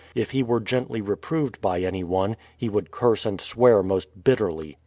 If he were gently reproved by any one, he would curse and swear most bitterly.